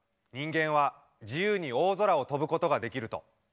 人間は自由に大空を飛ぶことができると。